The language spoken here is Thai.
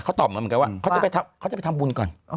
เขาตอบมาเหมือนกันว่าเขาจะไปทำบุญก่อน